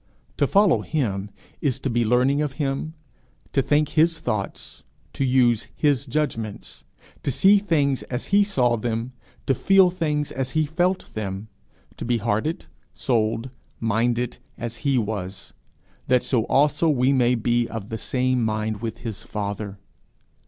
To follow him is to be learning of him, to think his thoughts, to use his judgments, to see things as he saw them, to feel things as he felt them, to be hearted, souled, minded, as he was that so also we may be of the same mind with his Father.